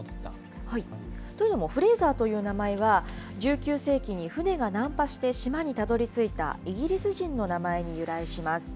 というのも、フレーザーという名前は、１９世紀に船が難破して島にたどりついたイギリス人の名前に由来します。